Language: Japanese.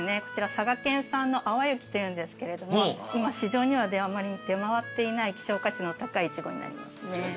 こちら佐賀県産の淡雪というんですけれども今市場には出回っていない希少価値の高いイチゴになりますね。